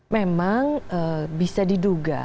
memang bisa diduga